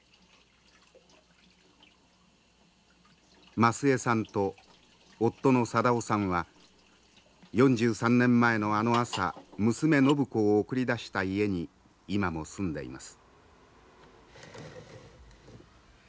増枝さんと夫の定雄さんは４３年前のあの朝娘靖子を送り出した家に今も住んでいます。